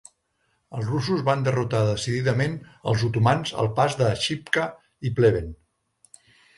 Els russos van derrotar decididament els otomans al Pas de Shipka i Pleven.